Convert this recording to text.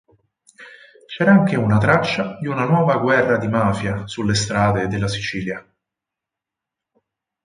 C'era anche una traccia di una nuova Guerra di Mafia sulle strade della Sicilia.